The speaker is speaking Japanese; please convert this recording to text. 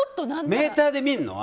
メーターで見るの？